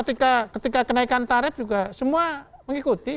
ketika kenaikan tarif juga semua mengikuti